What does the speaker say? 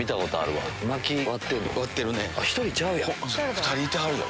２人いてはるよ。